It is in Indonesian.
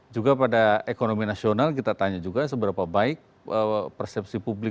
juga pada ekonomi nasional kita tanya juga seberapa baik persepsi publik